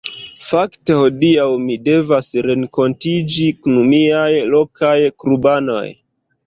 Fakte hodiaŭ mi devas renkontiĝi kun miaj lokaj klubanoj.